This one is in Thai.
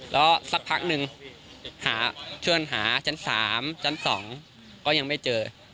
แล้วสักพักหนึ่งหาชวนหาชั้น๓ชั้น๒ก็ยังไม่เจอ